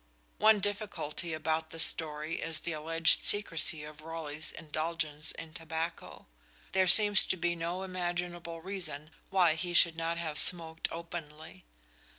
One difficulty about this story is the alleged secrecy of Raleigh's indulgence in tobacco. There seems to be no imaginable reason why he should not have smoked openly.